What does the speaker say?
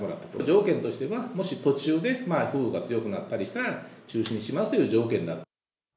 条件としてはもし、途中で風雨が強くなったりしたら、中止にしますという条件で。